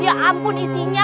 ya ampun isinya